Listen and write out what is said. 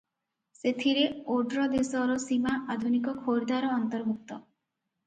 ସେଥିରେ ଓଡ଼୍ରଦେଶର ସୀମା ଆଧୁନିକ ଖୋର୍ଦ୍ଧାର ଅନ୍ତର୍ଭୂତ ।